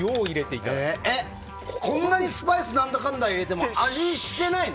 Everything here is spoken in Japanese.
こんなにスパイスなんだかんだ入れても味してないの？